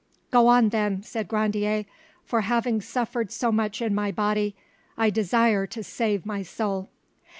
"Go on, then," said Grandier; "for having suffered so much in my body, I desire to save my soul."